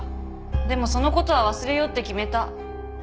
でもその事は忘れようって決めた。